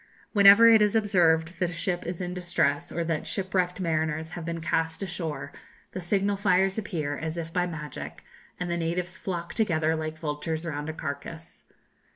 Whenever it is observed that a ship is in distress, or that shipwrecked mariners have been cast ashore, the signal fires appear as if by magic, and the natives flock together like vultures round a carcase.